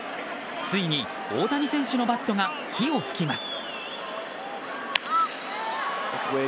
ついに大谷選手のバットが火を噴きます。